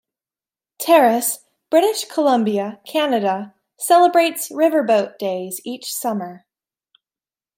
Terrace, British Columbia, Canada, celebrates "Riverboat Days" each summer.